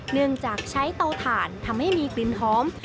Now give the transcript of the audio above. เนื่องจากใช้เตาถ่านทำให้มีกลิ่นหอม